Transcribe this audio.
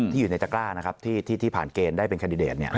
อยู่ในตะกร้านะครับที่ผ่านเกณฑ์ได้เป็นแคนดิเดต